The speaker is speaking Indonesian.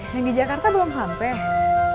yang di jakarta belum sampai